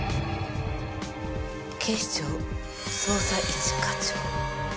警視庁捜査一課長。